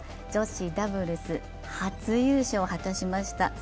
女子ダブルスは初優勝を果たしました。